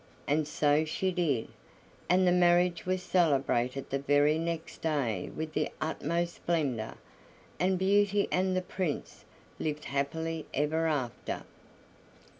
And so she did, and the marriage was celebrated the very next day with the utmost splendor, and Beauty and the Prince lived happily ever after.